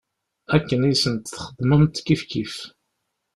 Akken i sent-txedmemt kifkif.